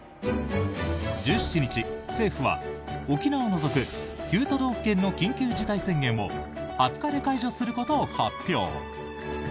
１７日、政府は沖縄を除く９都道府県の緊急事態宣言を２０日で解除することを発表。